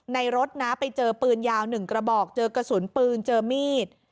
รถนะไปเจอปืนยาว๑กระบอกเจอกระสุนปืนเจอมีด